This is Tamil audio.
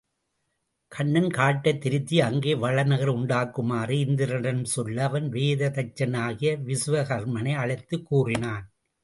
கண்ணன் காட்டைத் திருத்தி அங்கே வளநகர் உண்டாக்குமாறு இந்திரனிடம் சொல்ல அவன் வேத தச்சனாகிய விசுவகர்மனை அழைத்துக் கூறினான்.